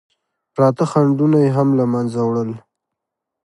پراته خنډونه یې هم له منځه وړل.